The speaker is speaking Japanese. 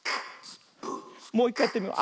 もういっかいやってみよう。